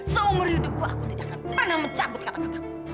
seumur hidupku aku tidak akan pernah mencabut kata kataku